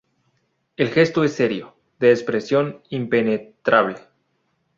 El gesto es serio, de expresión impenetrable.